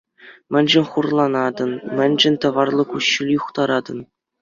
Мӗншӗн хурланатӑн, мӗншӗн тӑварлӑ куҫҫуль юхтаратӑн?